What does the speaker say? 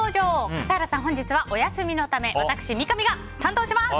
笠原さん、本日はお休みのため私、三上が担当します！